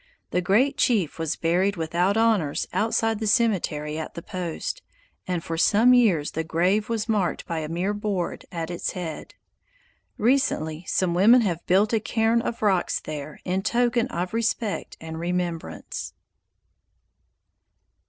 The great chief was buried without honors outside the cemetery at the post, and for some years the grave was marked by a mere board at its head. Recently some women have built a cairn of rocks there in token of respect and remembrance.